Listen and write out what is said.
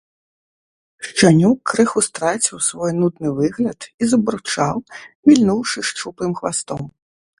Шчанюк крыху страціў свой нудны выгляд і забурчаў, вільнуўшы шчуплым хвастом.